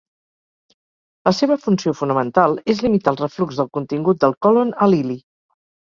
La seva funció fonamental és limitar el reflux del contingut del còlon a l'ili.